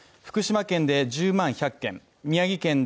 福島県で１０万１００軒